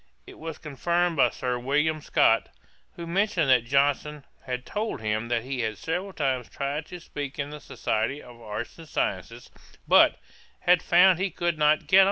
It was confirmed by Sir William Scott, who mentioned that Johnson had told him that he had several times tried to speak in the Society of Arts and Sciences, but 'had found he could not get on.'